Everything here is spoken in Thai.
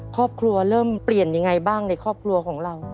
ครอบครัวเริ่มเปลี่ยนยังไงบ้างในครอบครัวของเรา